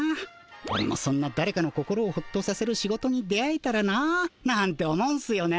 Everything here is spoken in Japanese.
オレもそんなだれかの心をホッとさせる仕事に出会えたらななんて思うんすよね